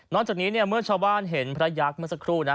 จากนี้เมื่อชาวบ้านเห็นพระยักษ์เมื่อสักครู่นะ